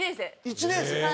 １年生？